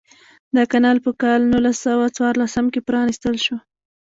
دا کانال په کال نولس سوه څوارلسم کې پرانیستل شو.